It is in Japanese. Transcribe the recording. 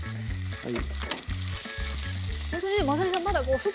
はい。